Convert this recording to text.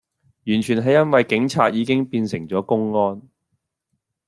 完全係因為警察已經變成左公安